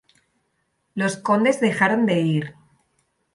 Los condes dejaron de ir.